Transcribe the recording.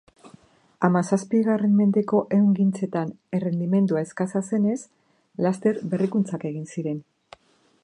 Hamazazpigarren mendeko ehungintzetan errendimendua eskasa zenez laster berrikuntzak egin ziren.